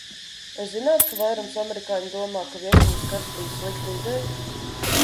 Vai zināt, ka vairums amerikāņu domā, ka Vjetnamas karš bija slikta ideja?